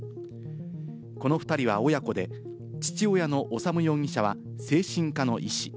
この２人は親子で父親の修容疑者は精神科の医師。